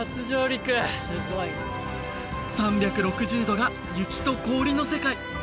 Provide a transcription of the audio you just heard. ３６０度が雪と氷の世界